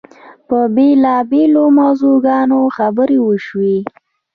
په بېلابېلو موضوعاتو خبرې وشوې.